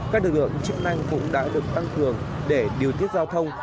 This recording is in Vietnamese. các đường đường chức năng cũng đã được tăng thường để điều tiết giao thông